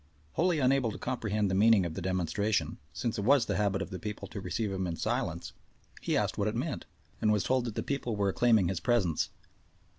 Wholly unable to comprehend the meaning of the demonstration, since it was the habit of the people to receive him in silence, he asked what it meant, and was told that the people were acclaiming his presence.